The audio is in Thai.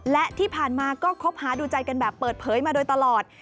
และที่ผ่านมาก็คบหาดูใจกันแบบเปิดเผยมาโดยตลอด